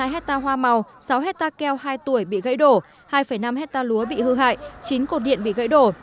hai mươi hectare hoa màu sáu hectare keo hai tuổi bị gãy đổ hai năm hectare lúa bị hư hại chín cột điện bị gãy đổ